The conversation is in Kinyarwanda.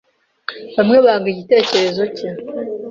Bamwe banga igitekerezo cye.